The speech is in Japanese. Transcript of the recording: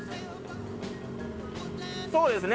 そうですね。